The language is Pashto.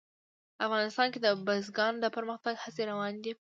افغانستان کې د بزګان د پرمختګ هڅې روانې دي.